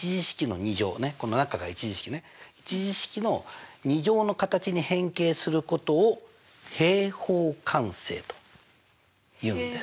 １次式の２乗の形に変形することを平方完成というんです。